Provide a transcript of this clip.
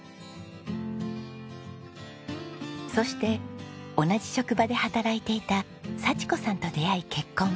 そして同じ職場で働いていた佐千子さんと出会い結婚。